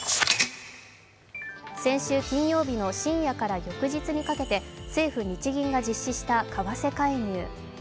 先週金曜日の深夜から翌日にかけて政府・日銀が実施した為替介入。